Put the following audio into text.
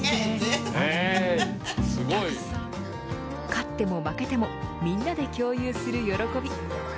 勝っても負けてもみんなで共有する喜び。